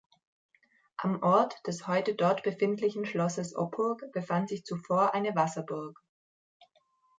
Am Ort des heute dort befindlichen Schlosses Oppurg befand sich zuvor eine Wasserburg.